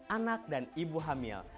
anak dan ibu hamil